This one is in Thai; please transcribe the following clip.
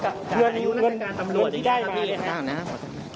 กับอายุนักศักดิ์การตำรวจอย่างนี้ครับพี่